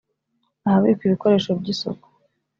ahabikwa ibikoresho by’isuku